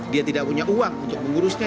dia tidak punya uang untuk mengurusnya